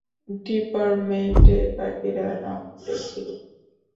Department এর বাকিরা রাউন্ডে ছিল।